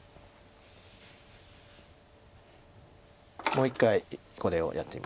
もう一回これをやってみますか。